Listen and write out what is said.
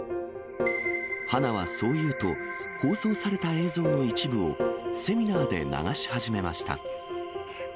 花はそう言うと、放送された映像の一部をセミナーで流し始めました。